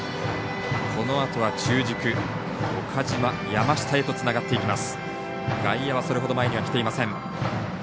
このあとは中軸、岡島、山下へとつながっていきます。